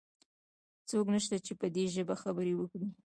څوک نشته چې په دي ژبه خبرې وکړي؟